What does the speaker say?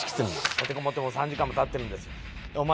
「立てこもってもう３時間も経ってるんです！」と。